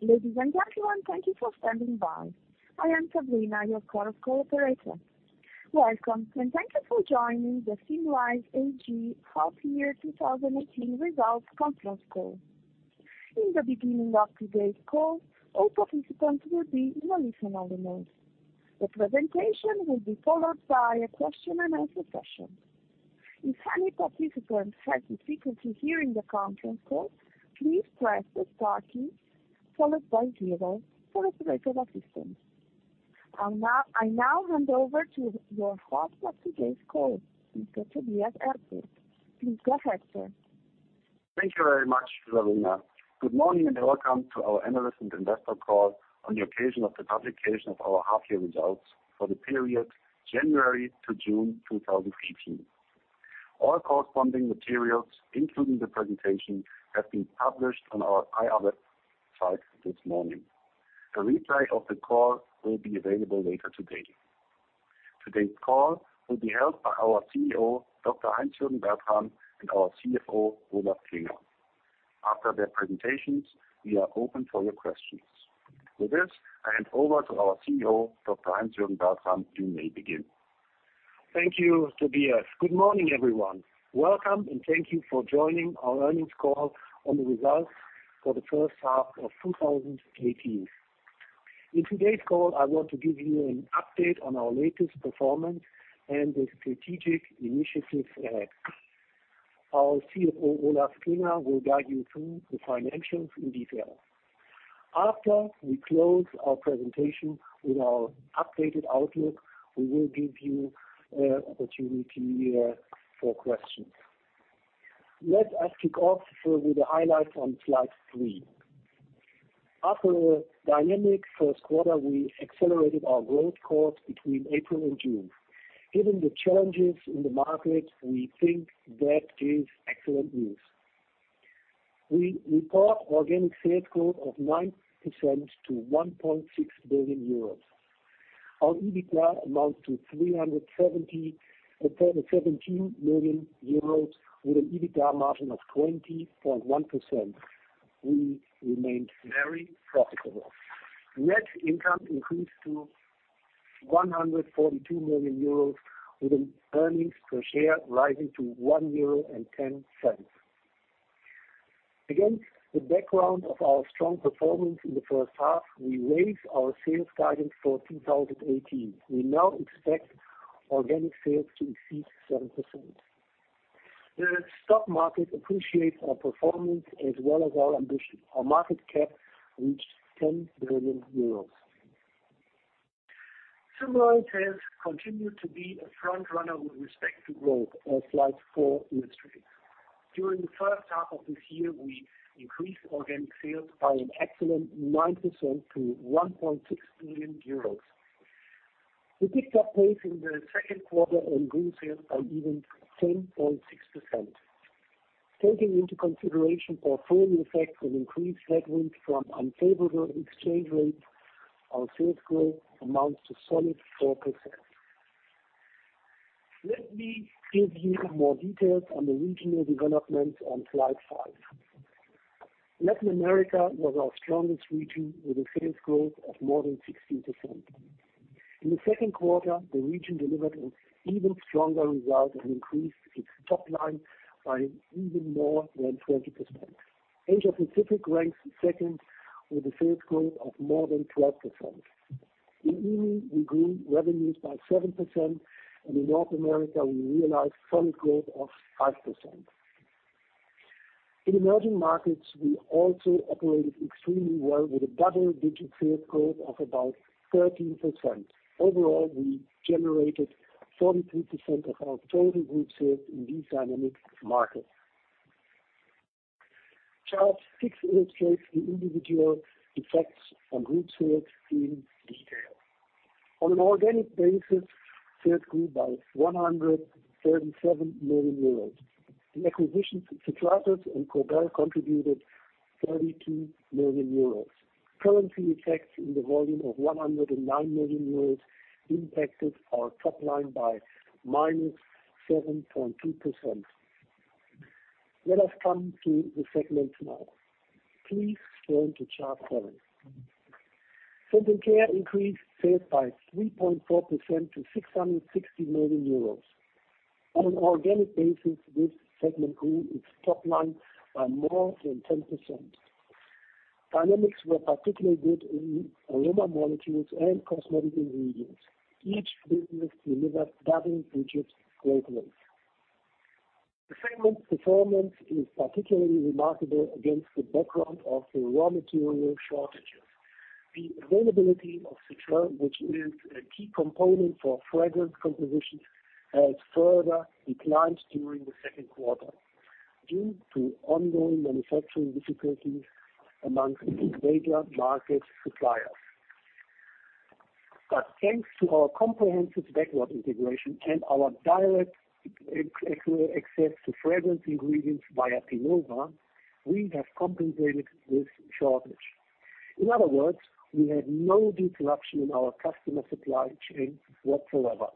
Ladies and gentlemen, thank you for standing by. I am Sabrina, your call operator. Welcome, and thank you for joining the Symrise AG Half Year 2018 Results Conference Call. In the beginning of today's call, all participants will be in listen-only mode. The presentation will be followed by a question-and-answer session. If any participant has difficulty hearing the conference call, please press the star key followed by zero for operator assistance. I now hand over to your host for today's call, Mr. Tobias Erfurth. Please go ahead, sir. Thank you very much, Sabrina. Good morning, and welcome to our analyst and investor call on the occasion of the publication of our half-year results for the period January to June 2018. All corresponding materials, including the presentation, have been published on our IR website this morning. A replay of the call will be available later today. Today's call will be held by our CEO, Dr. Heinz-Jürgen Bertram, and our CFO, Olaf Klinger. After their presentations, we are open for your questions. With this, I hand over to our CEO, Dr. Heinz-Jürgen Bertram. You may begin. Thank you, Tobias. Good morning, everyone. Welcome, and thank you for joining our earnings call on the results for the first half of 2018. In today's call, I want to give you an update on our latest performance and the strategic initiatives ahead. Our CFO, Olaf Klinger, will guide you through the financials in detail. After we close our presentation with our updated outlook, we will give you an opportunity for questions. Let us kick off with the highlights on slide three. After a dynamic first quarter, we accelerated our growth course between April and June. Given the challenges in the market, we think that is excellent news. We report organic sales growth of 9% to 1.6 billion euros. Our EBITDA amounts to 317 million euros, with an EBITDA margin of 20.1%. We remained very profitable. Net income increased to 142 million euros, with earnings per share rising to 1.10 euro. Against the background of our strong performance in the first half, we raised our sales guidance for 2018. We now expect organic sales to exceed 7%. The stock market appreciates our performance as well as our ambition. Our market cap reached 10 billion euros. Symrise has continued to be a frontrunner with respect to growth on slide four in the street. During the first half of this year, we increased organic sales by an excellent 9% to 1.6 billion euros. We picked up pace in the second quarter and grew sales by even 10.6%. Taking into consideration our foreign effects and increased headwinds from unfavorable exchange rates, our sales growth amounts to solid 4%. Let me give you more details on the regional developments on slide five. Latin America was our strongest region, with a sales growth of more than 16%. In the second quarter, the region delivered an even stronger result and increased its top line by even more than 20%. Asia-Pacific ranks second with a sales growth of more than 12%. In EMEA, we grew revenues by 7%, and in North America, we realized solid growth of 5%. In emerging markets, we also operated extremely well with a double-digit sales growth of about 13%. Overall, we generated 43% of our total group sales in these dynamic markets. Chart six illustrates the individual effects on group sales in detail. On an organic basis, sales grew by 137 million euros. The acquisitions Citratus and Cobell contributed 32 million euros. Currency effects in the volume of 109 million euros impacted our top line by minus 7.2%. Let us come to the segments now. Please turn to chart seven. Scent & Care increased sales by 3.4% to 660 million euros. On an organic basis, this segment grew its top line by more than 10%. Dynamics were particularly good in aroma molecules and cosmetic ingredients. Each business delivered double-digit growth rates. The segment's performance is particularly remarkable against the background of the raw material shortages. The availability of citral, which is a key component for fragrance compositions, has further declined during the second quarter due to ongoing manufacturing difficulties amongst major market suppliers. Thanks to our comprehensive backward integration and our direct access to fragrance ingredients via Pinova, we have compensated this shortage. In other words, we had no disruption in our customer supply chain whatsoever.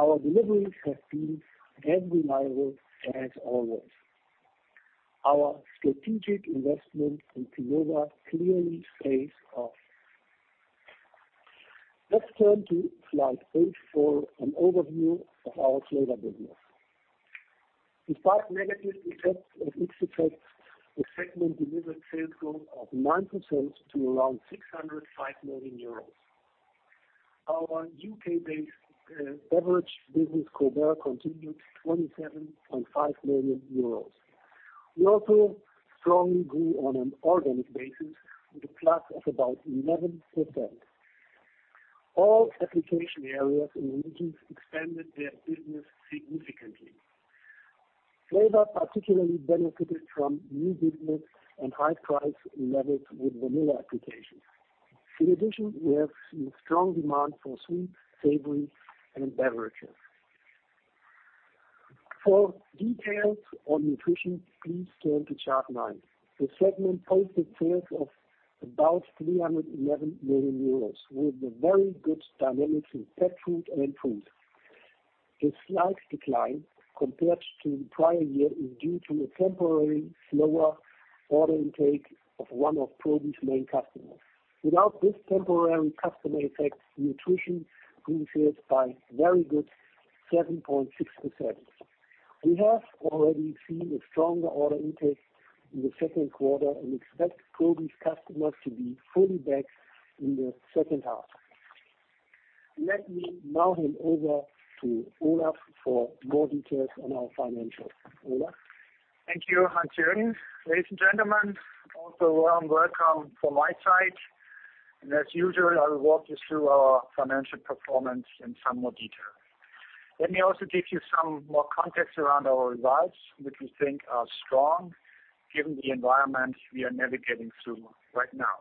Our deliveries have been as reliable as always. Our strategic investment in Pinova clearly pays off. Let's turn to slide eight for an overview of our flavor business. Despite negative effects of Ipsitrix, the segment delivered sales growth of 9% to around 605 million euros. Our U.K.-based beverage business, Cobell, continued 27.5 million euros. We also strongly grew on an organic basis with a plus of about 11%. All application areas and regions expanded their business significantly. Flavor particularly benefited from new business and high price levels with vanilla applications. In addition, we have seen strong demand for sweet, savory, and beverages. For details on nutrition, please turn to chart nine. The segment posted sales of about 311 million euros, with very good dynamics in pet food and food. The slight decline compared to the prior year is due to a temporary slower order intake of one of Probi's main customers. Without this temporary customer effect, nutrition grew sales by a very good 7.6%. We have already seen a stronger order intake in the second quarter and expect Probi's customers to be fully back in the second half. Let me now hand over to Olaf for more details on our financials. Olaf? Thank you, Heinz-Jürgen. Ladies and gentlemen, also a warm welcome from my side. As usual, I will walk you through our financial performance in some more detail. Let me also give you some more context around our results, which we think are strong given the environment we are navigating through right now.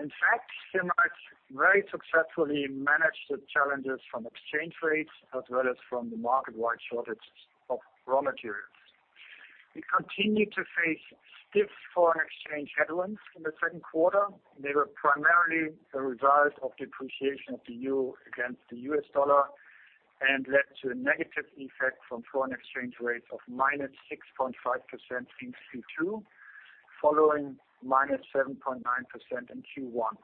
In fact, Symrise very successfully managed the challenges from exchange rates as well as from the market-wide shortage of raw materials. We continued to face stiff foreign exchange headwinds in the second quarter. They were primarily a result of depreciation of the euro against the U.S. dollar and led to a negative effect from foreign exchange rates of -6.5% in Q2, following -7.9% in Q1.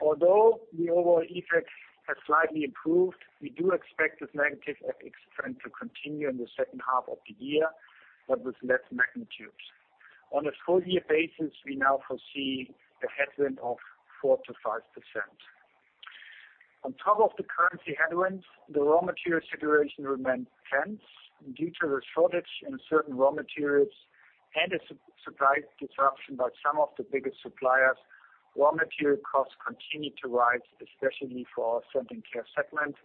Although the overall effect has slightly improved, we do expect this negative FX trend to continue in the second half of the year, but with less magnitudes. On a full-year basis, we now foresee a headwind of 4%-5%. On top of the currency headwinds, the raw material situation remained tense due to the shortage in certain raw materials and a supply disruption by some of the biggest suppliers. Raw material costs continued to rise, especially for our Scent & Care segment,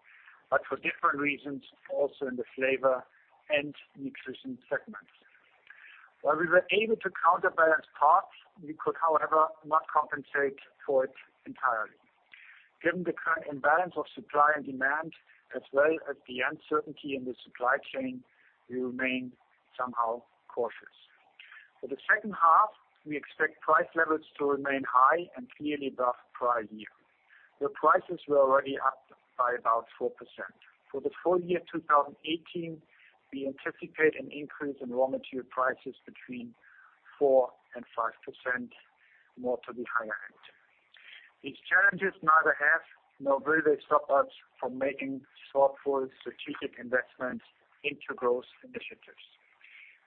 but for different reasons also in the Flavor and Nutrition segments. While we were able to counterbalance parts, we could, however, not compensate for it entirely. Given the current imbalance of supply and demand, as well as the uncertainty in the supply chain, we remain somehow cautious. For the second half, we expect price levels to remain high and clearly above prior year, where prices were already up by about 4%. For the full year 2018, we anticipate an increase in raw material prices between 4%-5%, more to the higher end. These challenges neither have nor will they stop us from making thoughtful strategic investments into growth initiatives.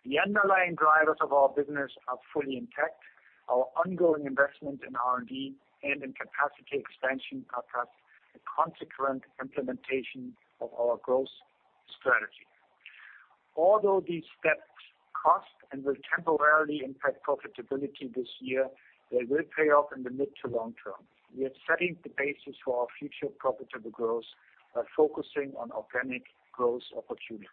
The underlying drivers of our business are fully intact. Our ongoing investment in R&D and in capacity expansion are thus a consequent implementation of our growth strategy. Although these steps cost and will temporarily impact profitability this year, they will pay off in the mid to long term. We are setting the basis for our future profitable growth by focusing on organic growth opportunities.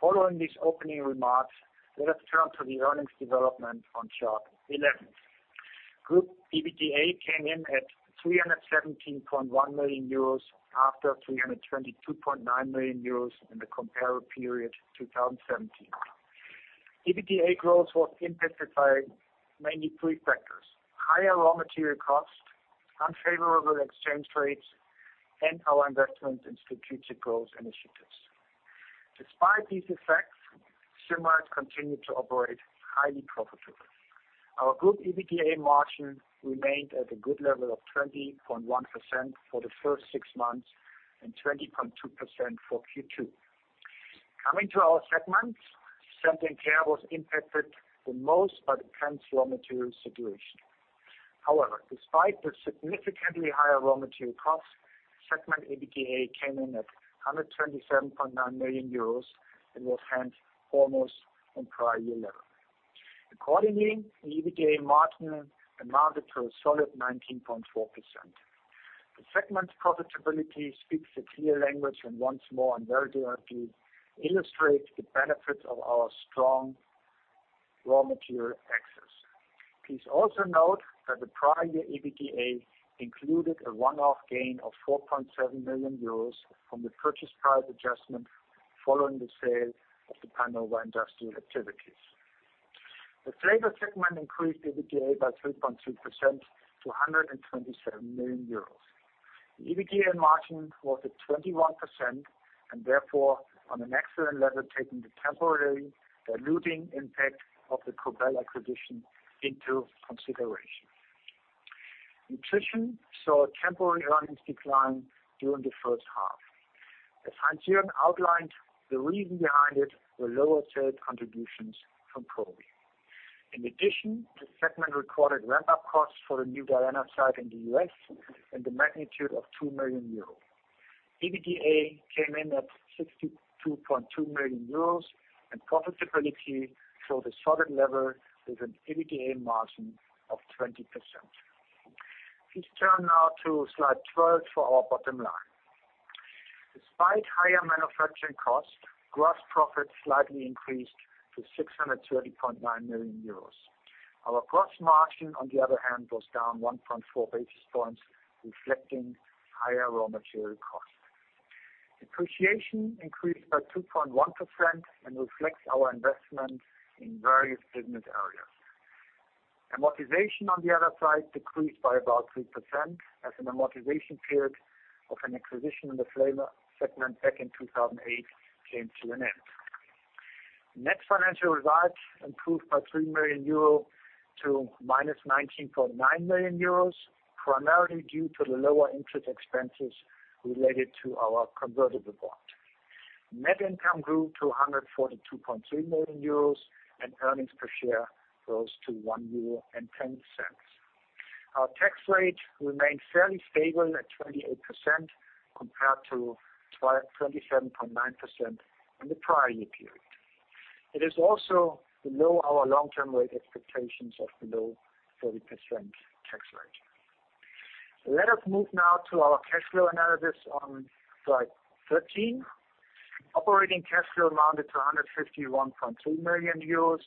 Following these opening remarks, let us turn to the earnings development on chart 11. Group EBITDA came in at 317.1 million euros, after 322.9 million euros in the comparative period, 2017. EBITDA growth was impacted by mainly three factors: higher raw material cost, unfavorable exchange rates, and our investment in strategic growth initiatives. Despite these effects, Symrise continued to operate highly profitably. Our group EBITDA margin remained at a good level of 20.1% for the first six months and 20.2% for Q2. Coming to our segments, Scent & Care was impacted the most by the tense raw material situation. However, despite the significantly higher raw material costs, segment EBITDA came in at 127.9 million euros and was hence almost on prior year level. Accordingly, the EBITDA margin amounted to a solid 19.4%. The segment profitability speaks a clear language and once more very directly illustrates the benefits of our strong raw material access. Please also note that the prior year EBITDA included a one-off gain of 4.7 million euros from the purchase price adjustment following the sale of the Pinova industrial activities. The flavor segment increased EBITDA by 3.2% to 127 million euros. The EBITDA margin was at 21% and therefore on an excellent level, taking the temporary diluting impact of the Cobell acquisition into consideration. Nutrition saw a temporary earnings decline during the first half. As Heinz-Jürgen outlined, the reason behind it were lower sales contributions from Probi. In addition, the segment recorded ramp-up costs for the new Georgia site in the U.S. and the magnitude of 2 million euros. EBITDA came in at 62.2 million euros and profitability saw the solid level with an EBITDA margin of 20%. Please turn now to slide 12 for our bottom line. Despite higher manufacturing costs, gross profit slightly increased to 630.9 million euros. Our gross margin, on the other hand, was down 1.4 basis points, reflecting higher raw material costs. Depreciation increased by 2.1% and reflects our investment in various business areas. Amortization, on the other side, decreased by about 3% as an amortization period of an acquisition in the flavor segment back in 2008 came to an end. Net financial results improved by 3 million euro to minus 19.9 million euros, primarily due to the lower interest expenses related to our convertible bond. Net income grew to 142.3 million euros and earnings per share rose to 1.10 euro. Our tax rate remained fairly stable at 28% compared to 27.9% in the prior year period. It is also below our long-term rate expectations of below 30% tax rate. Let us move now to our cash flow analysis on slide 13. Operating cash flow amounted to 151.3 million euros,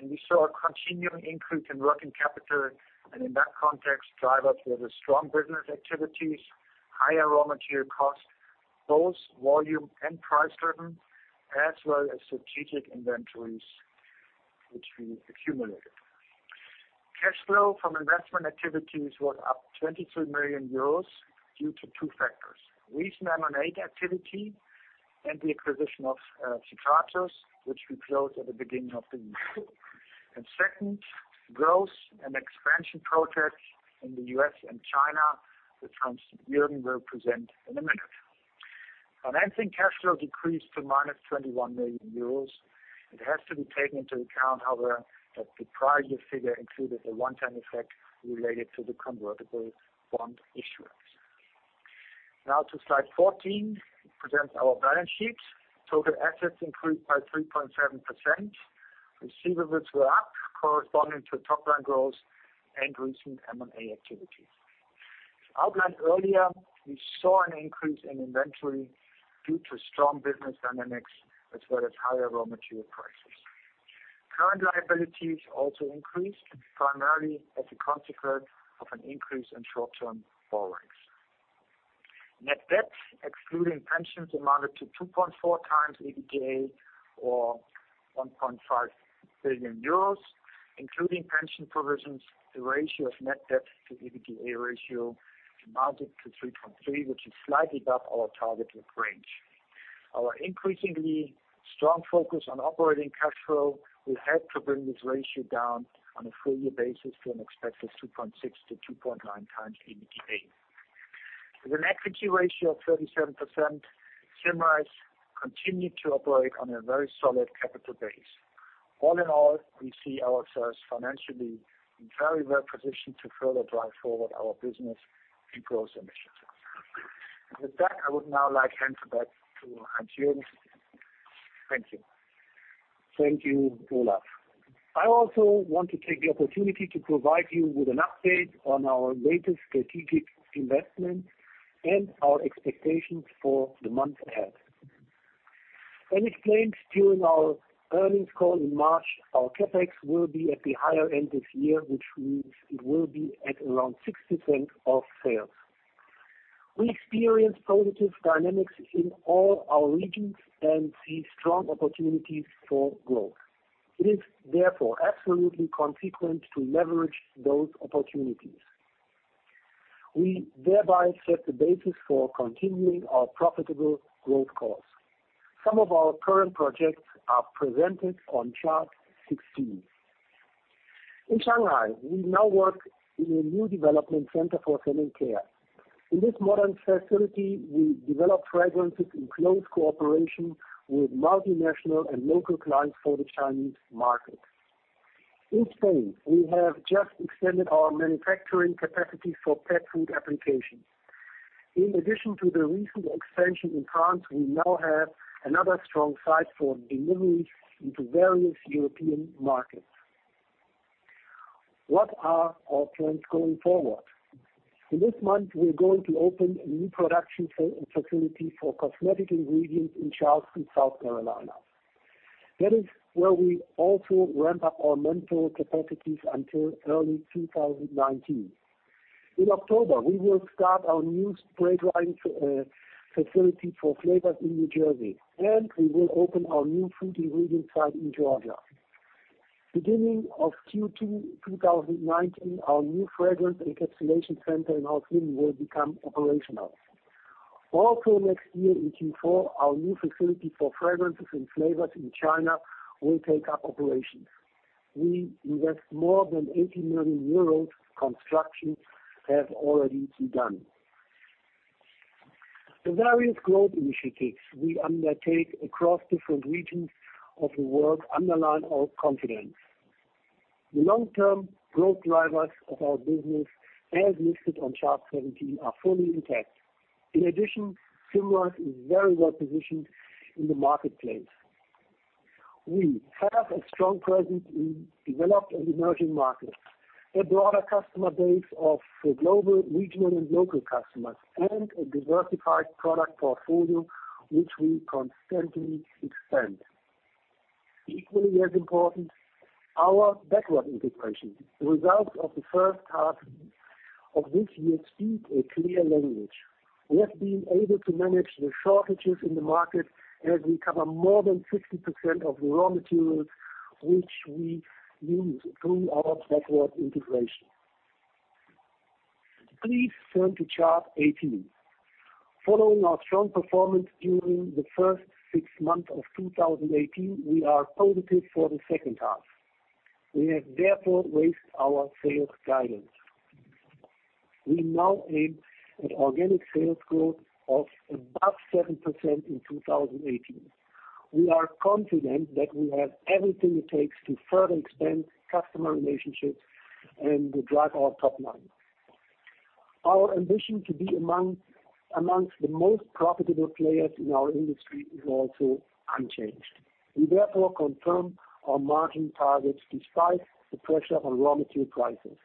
and we saw a continuing increase in working capital and in that context, drivers were the strong business activities, higher raw material cost, both volume and price driven, as well as strategic inventories which we accumulated. Cash flow from investment activities was up 22 million euros due to two factors. Recent M&A activity and the acquisition of Citratus, which we closed at the beginning of the year. Second, growth and expansion projects in the U.S. and China, which Heinz-Jürgen will present in a minute. Financing cash flow decreased to minus 21 million euros. It has to be taken into account, however, that the prior year figure included a one-time effect related to the convertible bond issuance. Now to slide 14, it presents our balance sheet. Total assets increased by 3.7%. Receivables were up corresponding to top-line growth and recent M&A activity. As outlined earlier, we saw an increase in inventory due to strong business dynamics as well as higher raw material prices. Current liabilities also increased primarily as a consequence of an increase in short-term borrowings. Net debt, excluding pensions, amounted to 2.4x EBITDA or 1.5 billion euros, including pension provisions, the ratio of net debt to EBITDA ratio amounted to 3.3, which is slightly above our target range. Our increasingly strong focus on operating cash flow will help to bring this ratio down on a full year basis to an expected 2.6x-2.9x EBITDA. With an equity ratio of 37%, Symrise continued to operate on a very solid capital base. All in all, we see ourselves financially in very well positioned to further drive forward our business and growth initiatives. With that, I would now like hand back to Heinz-Jürgen. Thank you. Thank you, Olaf. I also want to take the opportunity to provide you with an update on our latest strategic investment and our expectations for the months ahead. I explained during our earnings call in March, our CapEx will be at the higher end this year, which means it will be at around 6% of sales. We experienced positive dynamics in all our regions and see strong opportunities for growth. It is therefore absolutely consequent to leverage those opportunities. We thereby set the basis for continuing our profitable growth course. Some of our current projects are presented on Chart 16. In Shanghai, we now work in a new development center for health and care. In this modern facility, we develop fragrances in close cooperation with multinational and local clients for the Chinese market. In Spain, we have just extended our manufacturing capacity for pet food applications. In addition to the recent expansion in France, we now have another strong site for deliveries into various European markets. What are our plans going forward? In this month, we are going to open a new production facility for cosmetic ingredients in Charleston, South Carolina. That is where we also ramp up our menthol capacities until early 2019. In October, we will start our new spray drying facility for flavors in New Jersey, and we will open our new food ingredient site in Georgia. Beginning of Q2 2019, our new fragrance encapsulation center in Auckland will become operational. Also next year in Q4, our new facility for fragrances and flavors in China will take up operations. We invest more than 80 million euros. Construction has already been done. The various growth initiatives we undertake across different regions of the world underline our confidence. The long-term growth drivers of our business, as listed on Chart 17, are fully intact. In addition, Symrise is very well-positioned in the marketplace. We have a strong presence in developed and emerging markets, a broader customer base of global, regional, and local customers, and a diversified product portfolio, which we constantly expand. Equally as important, our backward integration. The results of the first half of this year speak a clear language. We have been able to manage the shortages in the market as we cover more than 60% of the raw materials which we use through our backward integration. Please turn to Chart 18. Following our strong performance during the first six months of 2018, we are positive for the second half. We have therefore raised our sales guidance. We now aim at organic sales growth of above 7% in 2018. We are confident that we have everything it takes to further expand customer relationships and drive our top line. Our ambition to be amongst the most profitable players in our industry is also unchanged. We therefore confirm our margin targets despite the pressure on raw material prices.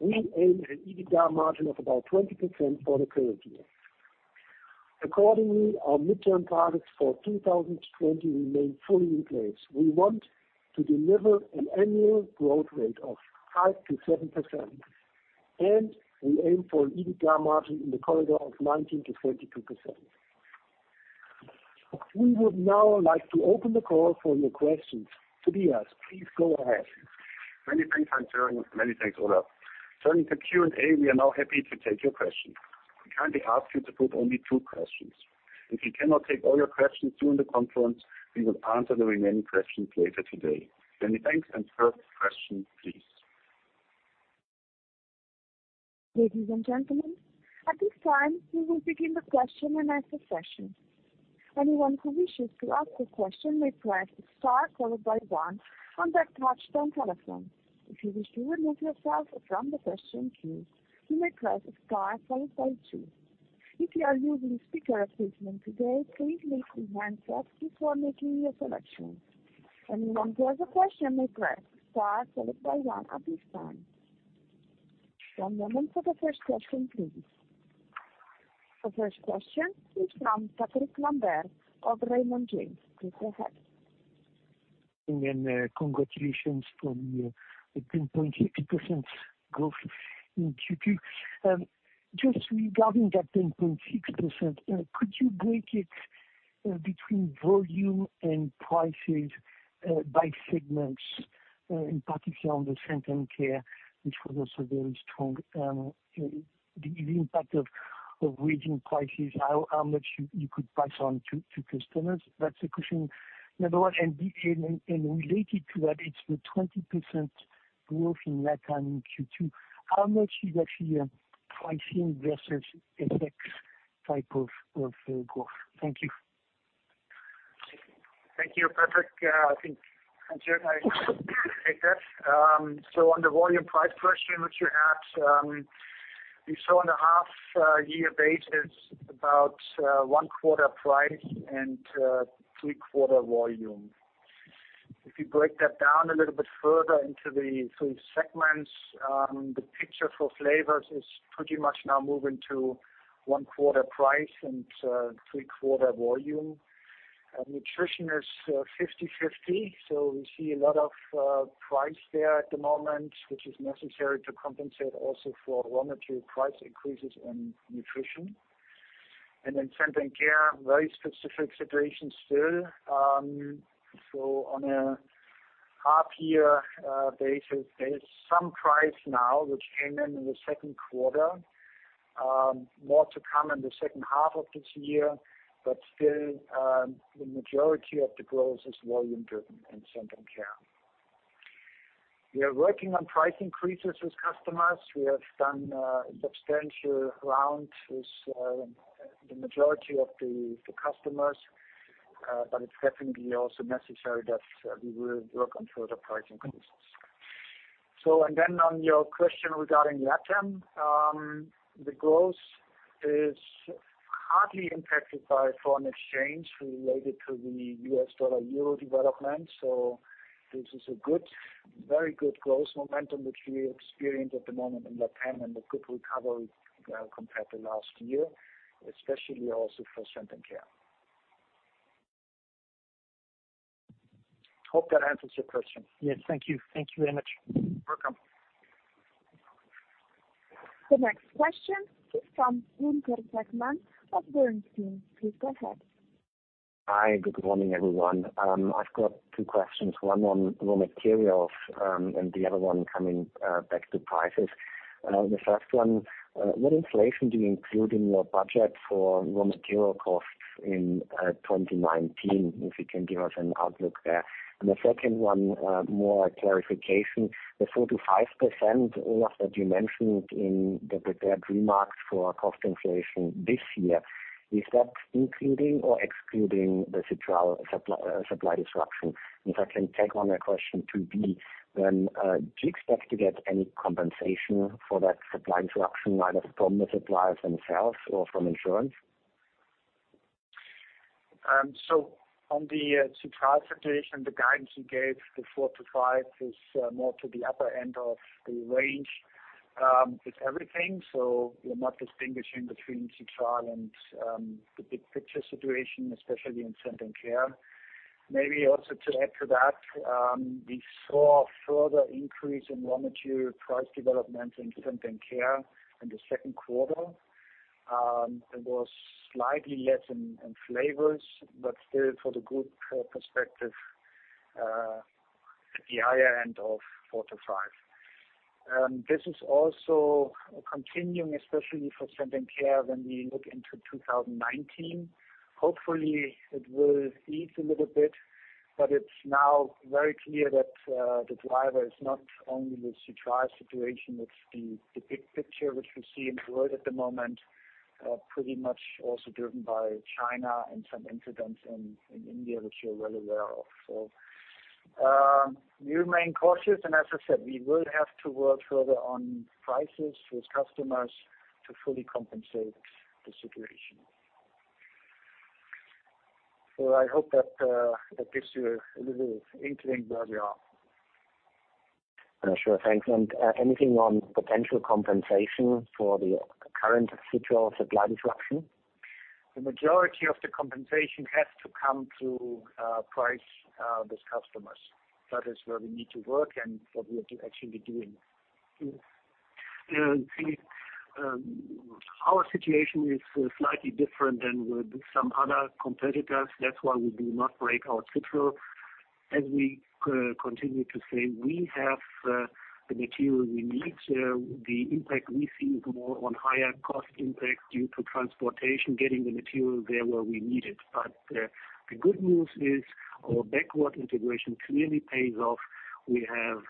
We aim an EBITDA margin of about 20% for the current year. Accordingly, our midterm targets for 2020 remain fully in place. We want to deliver an annual growth rate of 5%-7%, and we aim for an EBITDA margin in the corridor of 19%-22%. We would now like to open the call for your questions. Tobias, please go ahead. Many thanks, Heinz-Jürgen. Many thanks, Olaf. Turning to Q&A, we are now happy to take your questions. We kindly ask you to put only two questions. If we cannot take all your questions during the conference, we will answer the remaining questions later today. Many thanks, and first question please. Ladies and gentlemen, at this time, we will begin the question and answer session. Anyone who wishes to ask a question may press star followed by one on their touchtone telephone. If you wish to remove yourself from the question queue, you may press star followed by two. If you are using speaker placement today, please make enhancements before making your selection. Anyone who has a question may press star followed by one at this time. One moment for the first question, please. The first question is from Patrick Lambert of Raymond James. Please go ahead. Congratulations from me. A 10.6% growth in Q2. Just regarding that 10.6%, could you break it between volume and prices by segments, in particular on the Scent & Care, which was also very strong. The impact of raising prices, how much you could pass on to customers? That's a question, number one. Related to that, it's the 20% growth in LatAm in Q2. How much is actually pricing versus FX type of growth? Thank you. Thank you, Patrick. I think Heinz-Jürgen can take that. On the volume price question which you had, you saw on a half year basis about one quarter price and three quarter volume. If you break that down a little bit further into the three segments, the picture for flavors is pretty much now moving to one quarter price and three quarter volume. Nutrition is 50/50, we see a lot of price there at the moment, which is necessary to compensate also for raw material price increases in nutrition. Then Scent & Care, very specific situation still. On a half year basis, there is some price now which came in in the second quarter. More to come in the second half of this year, but still, the majority of the growth is volume-driven in Scent & Care. We are working on price increases with customers. We have done a substantial round with the majority of the customers. It's definitely also necessary that we will work on further price increases. On your question regarding LatAm, the growth is hardly impacted by foreign exchange related to the U.S. dollar-euro development. This is a very good growth momentum, which we experience at the moment in LatAm, and a good recovery compared to last year, especially also for Scent & Care. Hope that answers your question. Yes. Thank you very much. You're welcome. The next question is from Gunther Zechmann of Bernstein. Please go ahead. Hi. Good morning, everyone. I've got two questions, one on raw materials, and the other one coming back to prices. The first one, what inflation do you include in your budget for raw material costs in 2019, if you can give us an outlook there? The second one, more a clarification, the 4%-5% Olaf that you mentioned in the prepared remarks for cost inflation this year, is that including or excluding the Citral supply disruption? If I can tag on a question to be, do you expect to get any compensation for that supply interruption, either from the suppliers themselves or from insurance? On the Citral situation, the guidance we gave, the 4%-5%, is more to the upper end of the range with everything. We are not distinguishing between Citral and the big picture situation, especially in Scent & Care. Maybe also to add to that, we saw a further increase in raw material price development in Scent & Care in the second quarter. It was slightly less in flavors, but still for the group perspective, at the higher end of 4%-5%. This is also continuing, especially for Scent & Care when we look into 2019. Hopefully, it will ease a little bit, but it's now very clear that the driver is not only the Citral situation, it's the big picture which we see in the world at the moment, pretty much also driven by China and some incidents in India, which you're well aware of. We remain cautious, and as I said, we will have to work further on prices with customers to fully compensate the situation. I hope that gives you a little inkling where we are. Sure. Thanks. Anything on potential compensation for the current Citral supply disruption? The majority of the compensation has to come through price with customers. That is where we need to work and what we are actually doing. Our situation is slightly different than with some other competitors. That's why we do not break out Citral. As we continue to say, we have the material we need. The impact we see is more on higher cost impact due to transportation, getting the material there where we need it. The good news is our backward integration clearly pays off. We have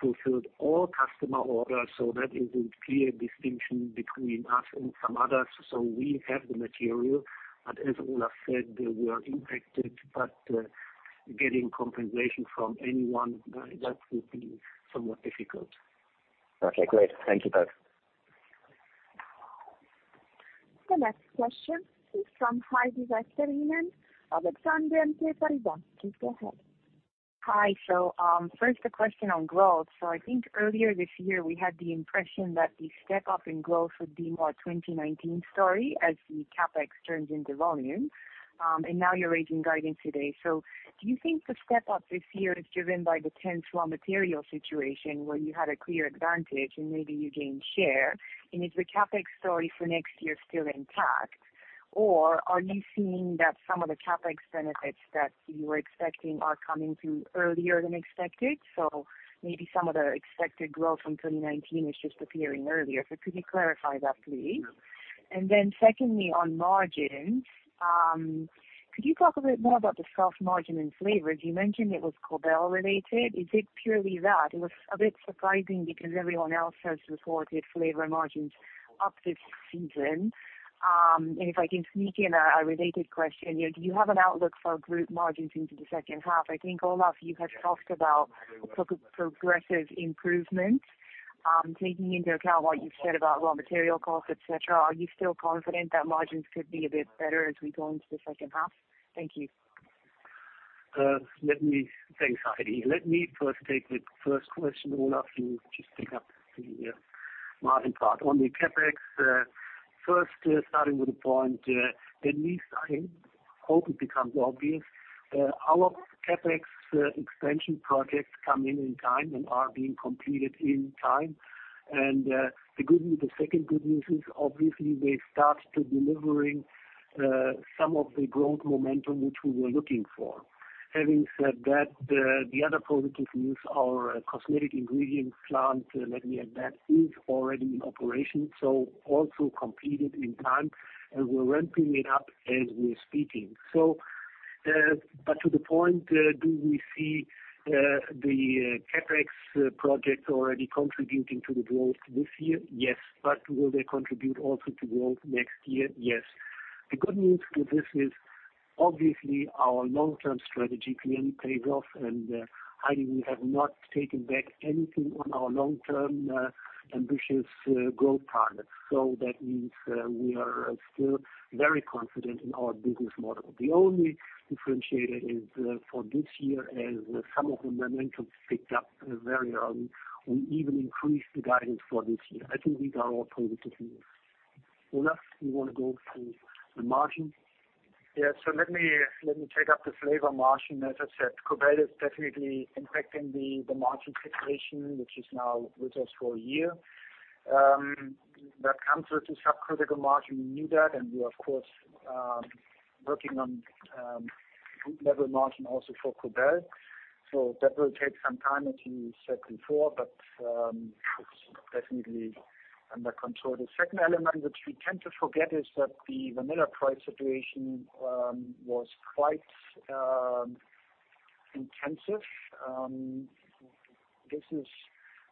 fulfilled all customer orders, that is a clear distinction between us and some others. We have the material, but as Olaf said, we are impacted. Getting compensation from anyone, that will be somewhat difficult. Okay, great. Thank you both. The next question is from Heidi Vesterinen of BNP Paribas Exane. Please go ahead. Hi. First a question on growth. I think earlier this year, we had the impression that the step-up in growth would be more 2019 story as the CapEx turns into volume. Now you're raising guidance today. Do you think the step-up this year is driven by the tense raw material situation where you had a clear advantage and maybe you gained share? Is the CapEx story for next year still intact, or are you seeing that some of the CapEx benefits that you were expecting are coming through earlier than expected? Maybe some of the expected growth from 2019 is just appearing earlier. Could you clarify that, please? Secondly, on margins, could you talk a bit more about the soft margin in flavors? You mentioned it was Cobell related. Is it purely that? It was a bit surprising because everyone else has reported flavor margins up this season. If I can sneak in a related question, do you have an outlook for group margins into the second half? I think Olaf, you had talked about progressive improvement. Taking into account what you've said about raw material costs, et cetera, are you still confident that margins could be a bit better as we go into the second half? Thank you. Thanks, Heidi. Let me first take the first question, Olaf you just pick up the margin part. On the CapEx, first starting with the point that at least I hope it becomes obvious. Our CapEx expansion projects come in in time and are being completed in time. The second good news is obviously they start to delivering some of the growth momentum which we were looking for. Having said that, the other positive news, our cosmetic ingredients plant, let me add that, is already in operation, also completed in time, and we're ramping it up as we're speaking. To the point, do we see the CapEx project already contributing to the growth this year? Yes. Will they contribute also to growth next year? Yes. The good news to this is obviously our long-term strategy clearly pays off. Heidi, we have not taken back anything on our long-term ambitious growth targets. That means we are still very confident in our business model. The only differentiator is for this year, as some of the momentum picked up very early, we even increased the guidance for this year. I think these are all positive news. Olaf, you want to go through the margin? Yes. Let me take up the flavor margin. As I said, Cobell is definitely impacting the margin situation, which is now with us for a year. That comes with the subcritical margin, we knew that. We are, of course, working on group level margin also for Cobell. That will take some time, as we said before, but it's definitely under control. The second element which we tend to forget is that the vanilla price situation was quite intensive. This is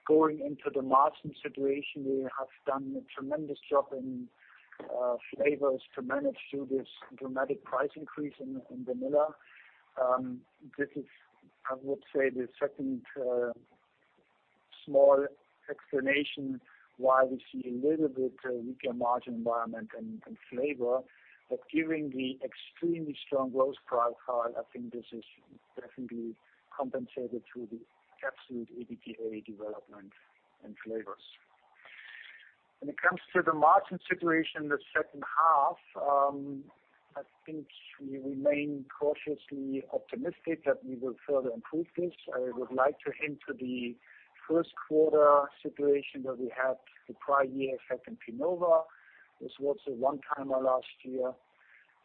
going into the margin situation. We have done a tremendous job in flavors to manage through this dramatic price increase in vanilla. This is, I would say, the second small explanation why we see a little bit weaker margin environment in flavor. But given the extremely strong growth profile, I think this is definitely compensated through the absolute EBITDA development in flavors. When it comes to the margin situation in the second half, I think we remain cautiously optimistic that we will further improve this. I would like to hint to the first quarter situation that we had the prior year effect in Pinova. This was a one-timer last year.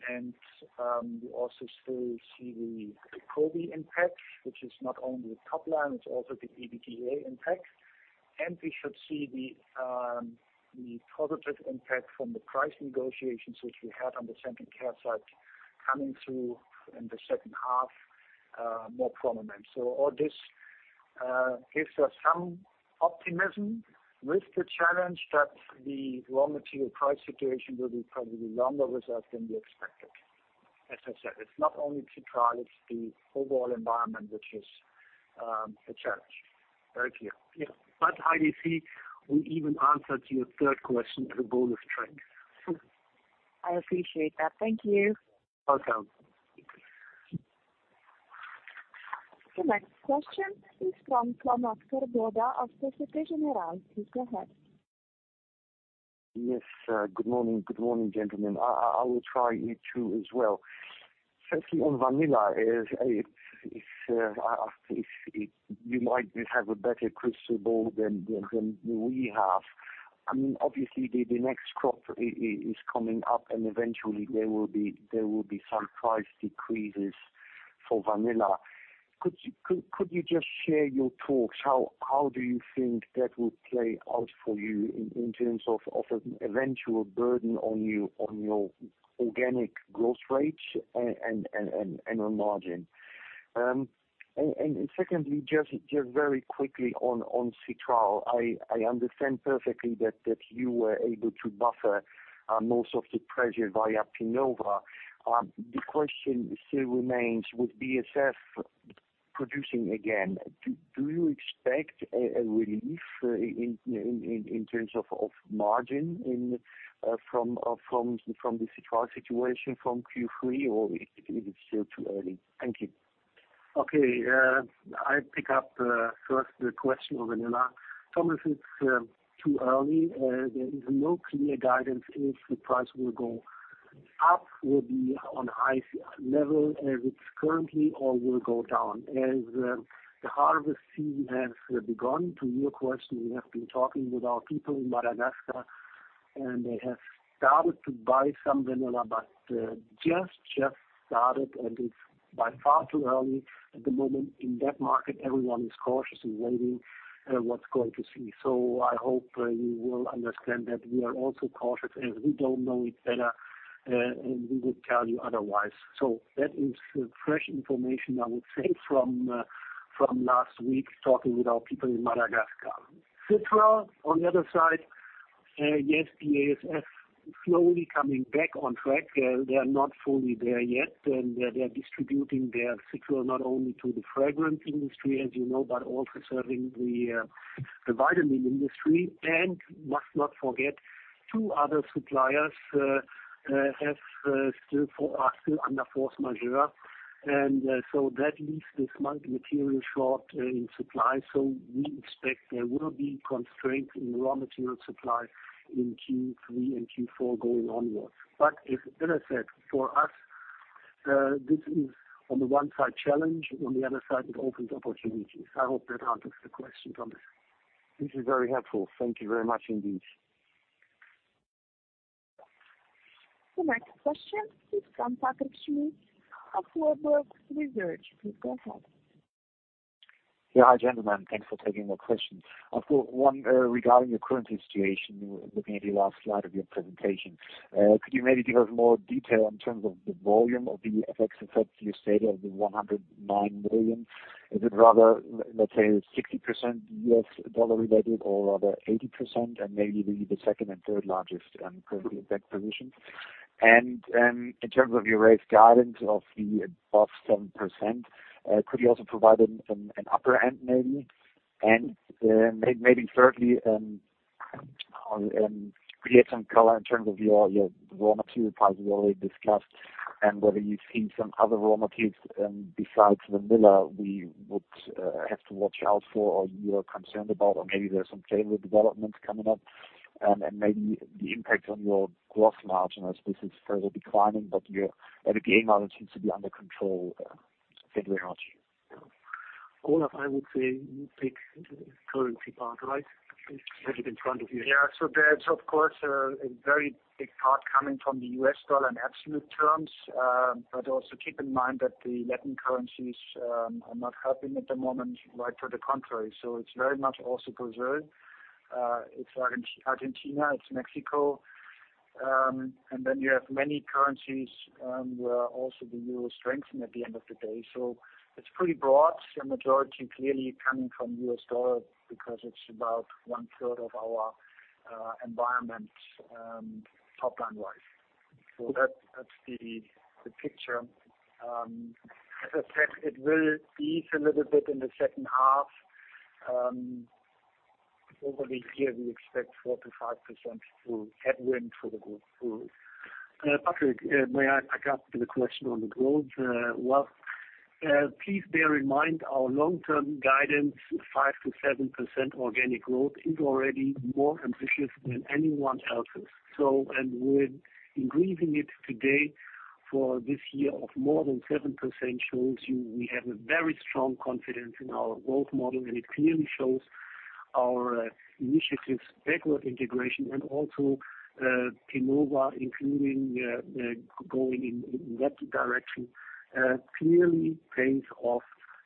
We also still see the Probi impact, which is not only the top line, it's also the EBITDA impact. We should see the positive impact from the price negotiations, which we had on the Scent & Care side, coming through in the second half more prominently. All this gives us some optimism with the challenge that the raw material price situation will be probably longer with us than we expected. As I said, it's not only citral, it's the overall environment which is a challenge. Thank you. Yes. I do see we even answered your third question to the bullet strength. I appreciate that. Thank you. Welcome. The next question is from Thomas Terborgh of Société Générale. Please go ahead. Yes, good morning, gentlemen. I will try it too as well. Firstly, on vanilla, you might have a better crystal ball than we have. Obviously, the next crop is coming up, and eventually there will be some price decreases for vanilla. Could you just share your thoughts? How do you think that will play out for you in terms of an eventual burden on your organic growth rates and on margin? Secondly, just very quickly on citral. I understand perfectly that you were able to buffer most of the pressure via Pinova. The question still remains, with BASF producing again, do you expect a relief in terms of margin from the citral situation from Q3, or is it still too early? Thank you. Okay. I pick up first the question on vanilla. Thomas, it's too early. There is no clear guidance if the price will go up, will be on high level as it's currently, or will go down. The harvest season has begun, to your question, we have been talking with our people in Madagascar, and they have started to buy some vanilla, but just started, and it's by far too early at the moment in that market. Everyone is cautiously waiting what's going to see. I hope you will understand that we are also cautious as we don't know it better, and we would tell you otherwise. That is fresh information, I would say, from last week, talking with our people in Madagascar. Citral, on the other side, yes, BASF slowly coming back on track. They are not fully there yet. They are distributing their citral not only to the fragrance industry, as you know, but also serving the vitamin industry. Must not forget, two other suppliers are still under force majeure. That leaves this material short in supply. We expect there will be constraints in raw material supply in Q3 and Q4 going onwards. As I said, for us, this is on the one side, challenge, on the other side, it opens opportunities. I hope that answers the question, Thomas. This is very helpful. Thank you very much indeed. The next question is from Patrick Schmidt of Warburg Research. Please go ahead. Hi, gentlemen. Thanks for taking the question. I've got one regarding your currency situation, looking at the last slide of your presentation. Could you maybe give us more detail in terms of the volume of the FX effect you said of the 109 million? Is it rather, let's say, 60% US dollar related or rather 80% and maybe the second and third largest currency effect positions? In terms of your raised guidance of the above 7%, could you also provide an upper end maybe? Thirdly, could you add some color in terms of your raw material prices you already discussed? Whether you've seen some other raw materials besides vanilla we would have to watch out for, or you are concerned about or maybe there are some favorable developments coming up, and maybe the impact on your growth margins. This is further declining, your EBITDA margin seems to be under control. Thank you very much. Olaf, I would say you take the currency part, right? You have it in front of you. That's, of course, a very big part coming from the US dollar in absolute terms. Also keep in mind that the Latin currencies are not helping at the moment, quite to the contrary. It's very much also Brazil, it's Argentina, it's Mexico. You have many currencies where also the euro is strengthening at the end of the day. It's pretty broad, the majority clearly coming from the US dollar because it's about one-third of our environment, top-line wise. That's the picture. As I said, it will ease a little bit in the second half. Over the year, we expect 4%-5% through headwind for the group. Patrick, may I pick up the question on the growth? Please bear in mind our long-term guidance, 5%-7% organic growth is already more ambitious than anyone else's. We're increasing it today for this year of more than 7% shows you we have a very strong confidence in our growth model, and it clearly shows our initiatives, backward integration, and also Pinova including going in that direction, clearly pays off.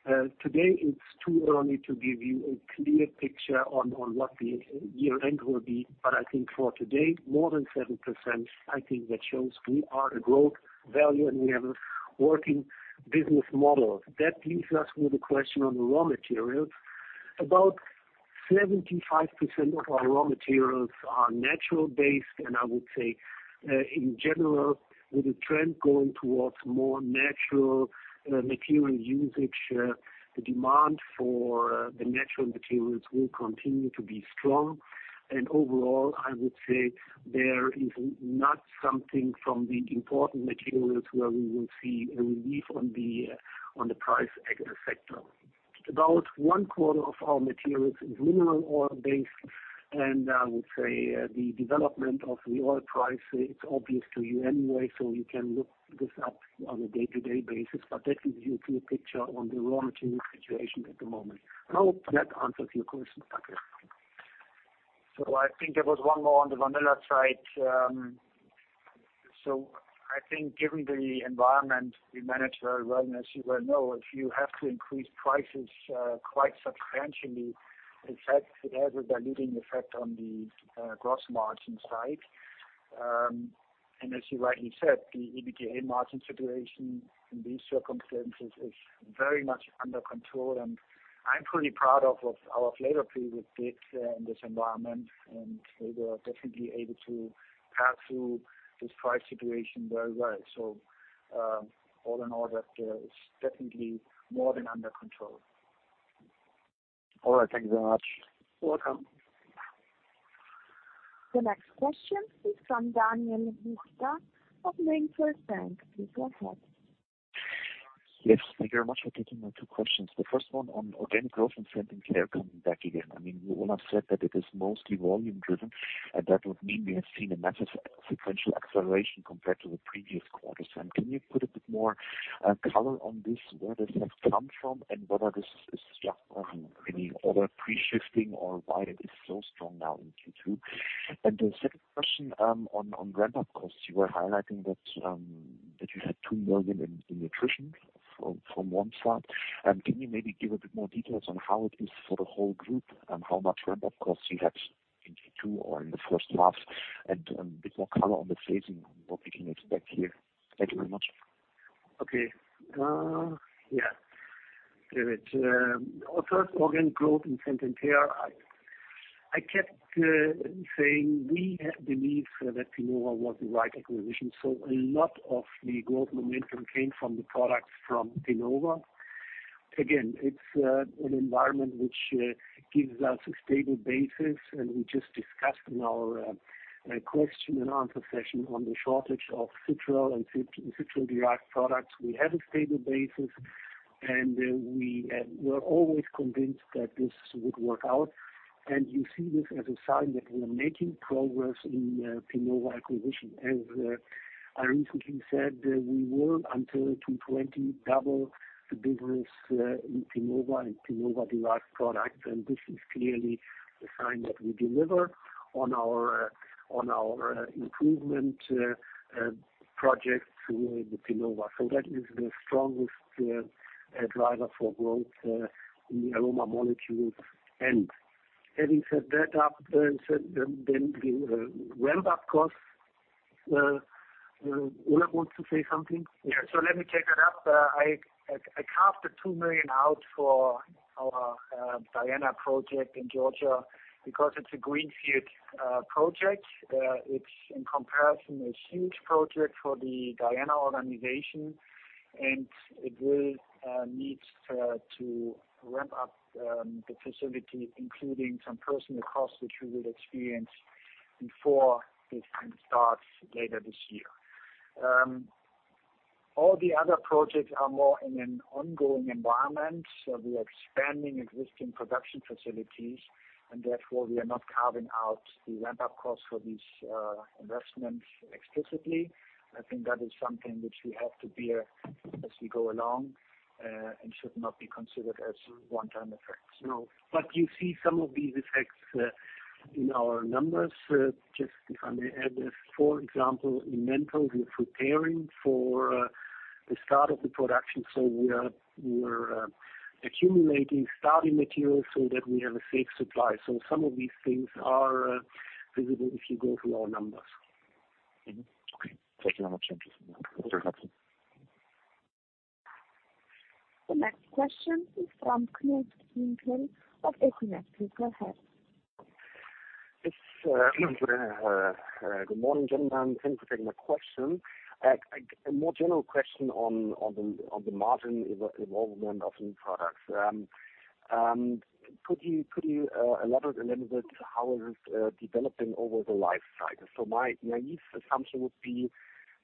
Today it's too early to give you a clear picture on what the year-end will be, I think for today, more than 7%, I think that shows we are a growth value and we have a working business model. That leaves us with the question on the raw materials. About 75% of our raw materials are natural based, I would say, in general, with the trend going towards more natural material usage, the demand for the natural materials will continue to be strong. Overall, I would say there is not something from the important materials where we will see a relief on the price sector. About one quarter of our materials is mineral oil based, I would say the development of the oil price, it's obvious to you anyway, you can look this up on a day-to-day basis, that gives you a clear picture on the raw material situation at the moment. I hope that answers your question, Patrick. I think there was one more on the vanilla side. I think given the environment we manage very well, as you well know, if you have to increase prices quite substantially, in fact, it has a diluting effect on the gross margin side. As you rightly said, the EBITDA margin situation in these circumstances is very much under control I'm pretty proud of what our flavor people did in this environment, they were definitely able to pass through this price situation very well. All in all, that is definitely more than under control. All right. Thank you very much. You're welcome. The next question is from Daniel Huchta of Ringberg Bank. Please go ahead. Yes, thank you very much for taking my two questions. The first one on organic growth and Scent & Care coming back again. I mean, you all have said that it is mostly volume driven. That would mean we have seen a massive sequential acceleration compared to the previous quarters. Can you put a bit more color on this, where this has come from, and whether this is just really order pre-shifting or why it is so strong now in Q2? The second question on ramp-up costs, you were highlighting that you had 2 million in nutrition from one side. Can you maybe give a bit more details on how it is for the whole group and how much ramp-up costs you had in Q2 or in the first half and a bit more color on the phasing, what we can expect here. Thank you very much. Okay. Yeah. Damn it. Our first organic growth in Scent & Care. I kept saying we believe that Pinova was the right acquisition, so a lot of the growth momentum came from the products from Pinova. Again, it's an environment which gives us a stable basis, and we just discussed in our question and answer session on the shortage of citral and citral-derived products. We have a stable basis, and we were always convinced that this would work out. You see this as a sign that we are making progress in Pinova acquisition. As I recently said, we will, until 2020, double the business in Pinova and Pinova-derived products, and this is clearly a sign that we deliver on our improvement projects with Pinova. That is the strongest driver for growth in the aroma molecules. Having said that, Daniel, the ramp-up costs, Olaf wants to say something. Yeah. Let me take that up. I carved the 2 million out for our Diana project in Georgia because it's a greenfield project. It's in comparison, a huge project for the Diana organization. It will need to ramp up the facility, including some personal costs, which we will experience before this can start later this year. All the other projects are more in an ongoing environment, so we are expanding existing production facilities, and therefore, we are not carving out the ramp-up costs for these investments explicitly. I think that is something which we have to bear as we go along and should not be considered as one-time effects. No. You see some of these effects in our numbers. Just if I may add this, for example, in Menthol, we are preparing for the start of the production. We are accumulating starting materials so that we have a safe supply. Some of these things are visible if you go through our numbers. Mm-hmm. Okay. Thank you very much. The next question is from Knut Winther of Equinet. Please go ahead. Yes. Good morning, gentlemen. Thanks for taking my question. A more general question on the margin involvement of new products. Could you elaborate a little bit how it is developing over the life cycle? My naive assumption would be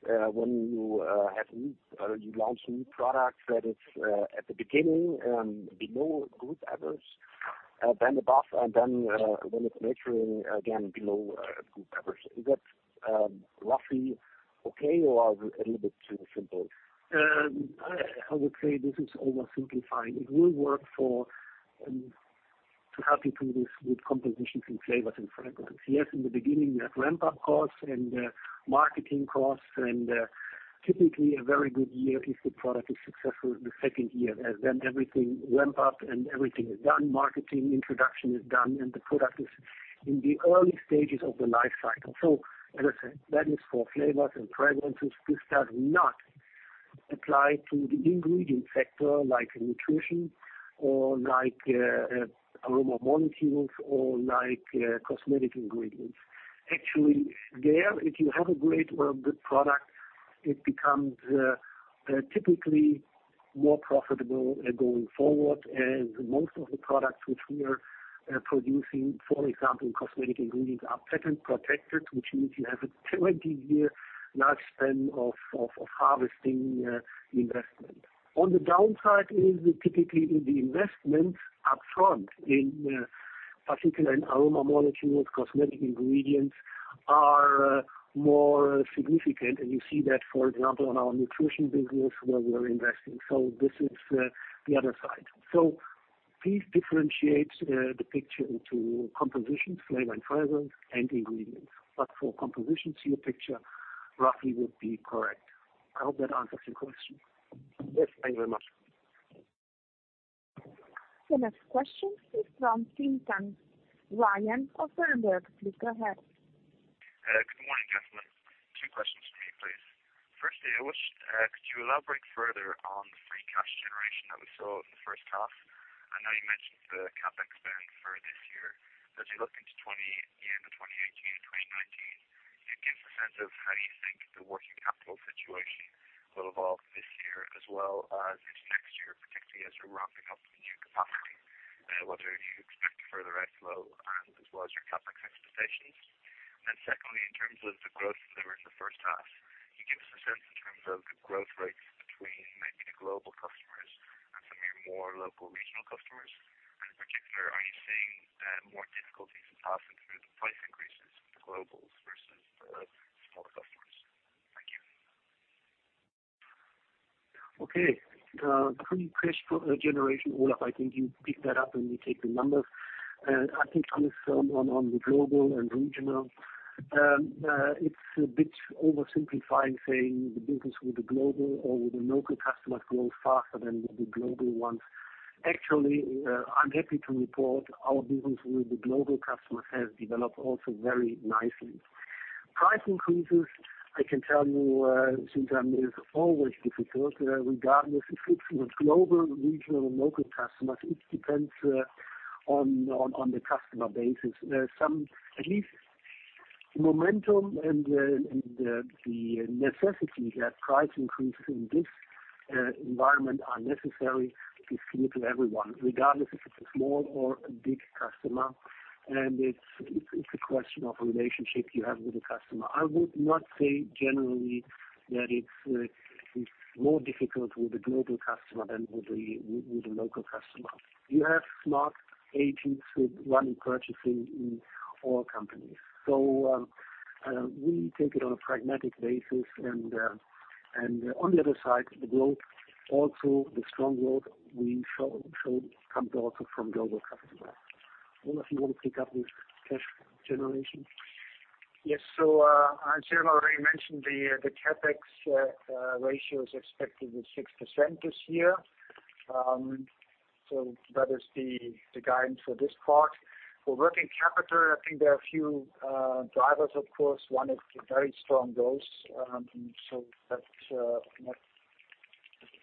when you launch a new product that is at the beginning below group average, then above, and then when it's maturing again below group average. Is that roughly okay or a little bit too simple? I would say this is oversimplifying. It will work to help you do this with compositions and flavors and fragrances. Yes, in the beginning, we have ramp-up costs and marketing costs, and typically, a very good year if the product is successful in the second year, as then everything ramp up and everything is done, marketing introduction is done, and the product is in the early stages of the life cycle. As I said, that is for flavors and fragrances. This does not apply to the ingredient sector like nutrition or like aroma molecules or like cosmetic ingredients. Actually, there, if you have a great or a good product, it becomes typically more profitable going forward. Most of the products which we are producing, for example, cosmetic ingredients, are patent protected, which means you have a 20-year life span of harvesting the investment. On the downside is typically the investments up front in particular in aroma molecules, cosmetic ingredients are more significant. You see that, for example, in our nutrition business, where we are investing. This is the other side. Please differentiate the picture into compositions, flavor and fragrance, and ingredients. For compositions, your picture roughly would be correct. I hope that answers your question. Yes. Thank you very much. The next question is from Sebastian Bray of Berenberg. Please go ahead. Good morning, gentlemen. Two questions to you, please. Firstly, could you elaborate further on the free cash generation that we saw in the first half? I know you mentioned the CapEx spend for this year. As you look into the end of 2018 and 2019, can you give us a sense of how you think the working capital situation will evolve this year as well as into next year, particularly as you ramp up the new capacity? What do you expect for the right flow as well as your CapEx expectations? Secondly, in terms of the growth delivered in the first half, can you give us a sense in terms of the growth rates between maybe the global customers and some of your more local regional customers? In particular, are you seeing more difficulties in passing through the price increases with the globals versus the smaller customers? Thank you. Okay. Free cash flow generation, Olaf, I think you pick that up and you take the numbers. I think on the global and regional, it's a bit oversimplifying saying the business with the global or with the local customers grows faster than with the global ones. Actually, I'm happy to report our business with the global customers has developed also very nicely. Price increases, I can tell you, SymTan, is always difficult regardless if it's with global, regional, or local customers. It depends on the customer basis. At least the momentum and the necessity that price increases in this environment are necessary is clear to everyone, regardless if it's a small or a big customer. It's a question of relationship you have with the customer. I would not say generally that it's more difficult with the global customer than with the local customer. You have smart agents who run purchasing in all companies. We take it on a pragmatic basis. On the other side, the growth, also the strong growth we showed comes also from global customers. Olaf, you want to pick up with cash generation? Yes. As Bernd already mentioned, the CapEx ratio is expected at 6% this year. That is the guidance for this part. For working capital, I think there are a few drivers, of course. One is the very strong growth. That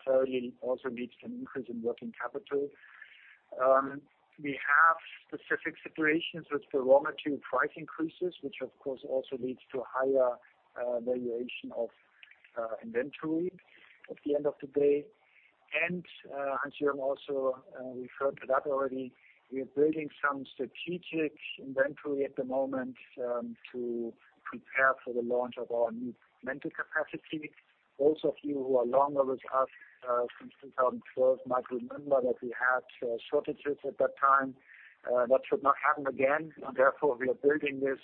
necessarily also needs an increase in working capital. We have specific situations with raw material price increases, which of course also leads to higher valuation of inventory at the end of the day. Heinz-Jürgen also referred to that already. We are building some strategic inventory at the moment to prepare for the launch of our new menthol capacity. Those of you who are longer with us since 2012 might remember that we had shortages at that time. That should not happen again, and therefore we are building this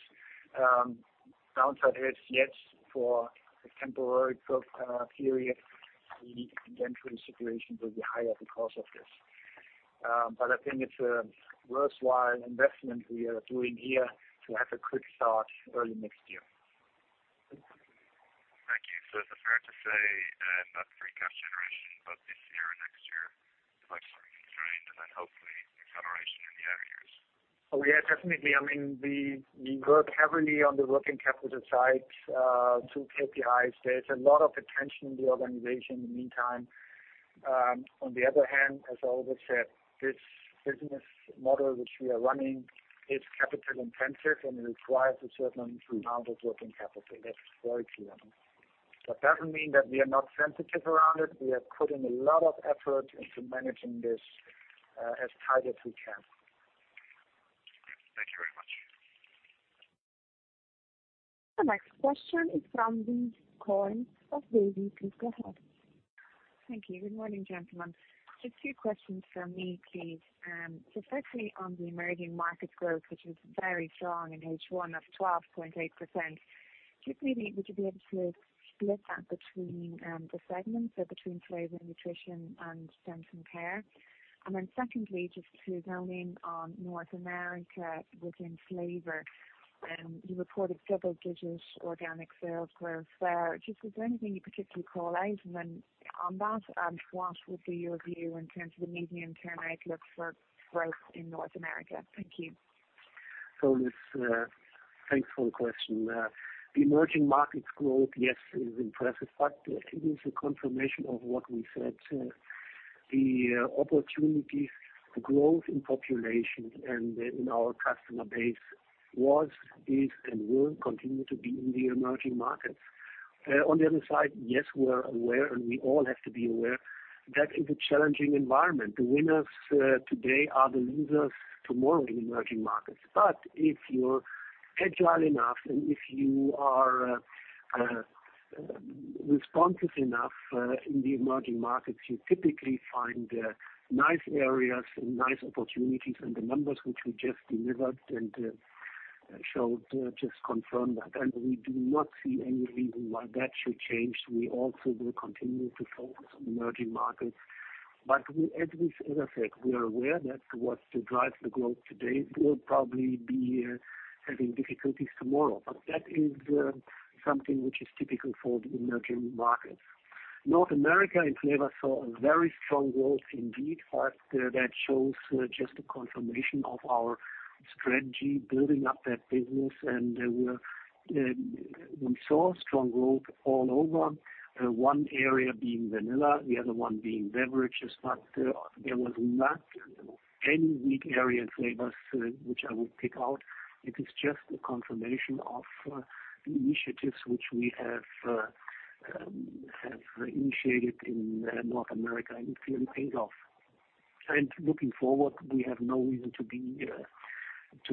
downside hedge yet for a temporary period. The inventory situation will be higher because of this. I think it's a worthwhile investment we are doing here to have a quick start early next year. Thank you. Is it fair to say, not free cash generation, but this year or next year, it might be constrained and then hopefully acceleration in the outer years? Oh, yeah, definitely. We work heavily on the working capital side through KPIs. There's a lot of attention in the organization in the meantime. On the other hand, as I always said, this business model which we are running is capital intensive and requires a certain amount of working capital. That's very clear. That doesn't mean that we are not sensitive around it. We are putting a lot of effort into managing this as tight as we can. Thank you very much. The next question is from Louise Coyne of JPMorgan. Please go ahead. Thank you. Good morning, gentlemen. Two questions from me, please. Firstly, on the emerging market growth, which was very strong in H1, that is 12.8%. Maybe would you be able to split that between the segments, between Flavor and Nutrition and Scent & Care? Secondly, just to zoom in on North America within flavor, you reported double-digit organic sales growth there. Is there anything you particularly call out? On that, what would be your view in terms of the medium-term outlook for growth in North America? Thank you. Thanks for the question. The emerging markets growth, yes, is impressive, but it is a confirmation of what we said. The opportunities for growth in population and in our customer base was, is, and will continue to be in the emerging markets. On the other side, yes, we are aware, and we all have to be aware that is a challenging environment. The winners today are the losers tomorrow in emerging markets. If you are agile enough and if you are responsive enough in the emerging markets, you typically find nice areas and nice opportunities, and the numbers which we just delivered and showed just confirm that. We do not see any reason why that should change. We also will continue to focus on emerging markets. As we said, we are aware that what drives the growth today will probably be having difficulties tomorrow. That is something which is typical for the emerging markets. North America in flavor saw a very strong growth indeed, but that shows just a confirmation of our strategy building up that business, and we saw strong growth all over. One area being vanilla, the other one being beverages. There was not any weak area in flavors which I would pick out. It is just a confirmation of the initiatives which we have initiated in North America in flavor. Looking forward, we have no reason to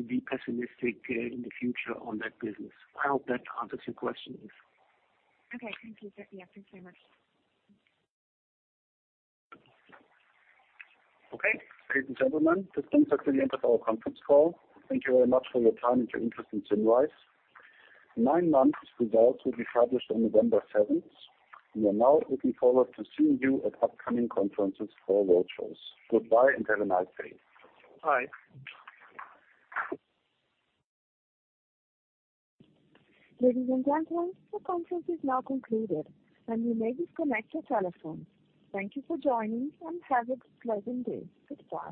be pessimistic in the future on that business. I hope that answers your question. Okay. Thank you, sir. Yes, thanks very much. Okay. Ladies and gentlemen, this brings us to the end of our conference call. Thank you very much for your time and your interest in Symrise. Nine months results will be published on November 7th. We are now looking forward to seeing you at upcoming conferences or roadshows. Goodbye, and have a nice day. Bye. Ladies and gentlemen, the conference is now concluded, and you may disconnect your telephones. Thank you for joining and have a pleasant day. Goodbye.